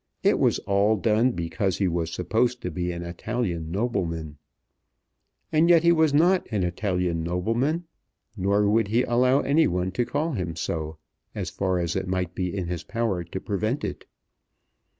It was all done because he was supposed to be an Italian nobleman. And yet he was not an Italian nobleman; nor would he allow any one to call him so, as far as it might be in his power to prevent it.